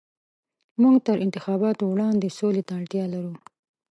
موږ تر انتخاباتو وړاندې سولې ته اړتيا لرو.